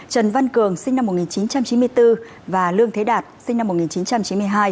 trần văn cường sinh năm một nghìn chín trăm chín mươi bốn và lương thế đạt sinh năm một nghìn chín trăm chín mươi hai